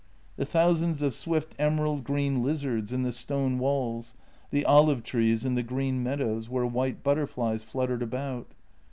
The thousands of swift emerald green lizards in the stone walls, the olive trees in the green meadows, where white butterflies fluttered about.